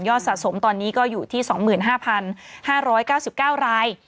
สะสมตอนนี้ก็อยู่ที่๒๕๕๙๙ราย